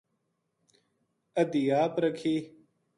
ادھی آپ رکھی